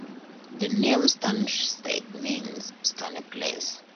The name Stansted means "stony place".